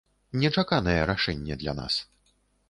Нечаканае рашэнне для нас.